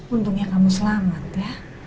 untungnya kamu selamat ya